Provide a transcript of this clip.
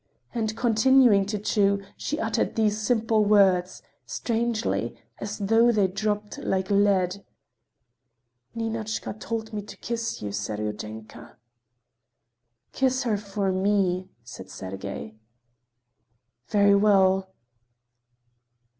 And continuing to chew, she uttered these simple words, strangely, as though they dropped like lead: "Ninochka told me to kiss you, Seryozhenka." "Kiss her for me," said Sergey. "Very well.